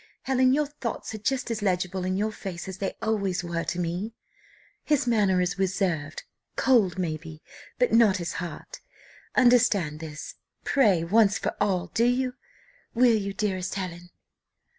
Helen, your thoughts are just as legible in your face, as they always were to me. His manner is reserved cold, may be but not his heart. Understand this, pray once for all. Do you? will you, dearest Helen?"